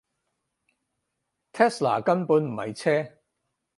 特斯拉根本唔係車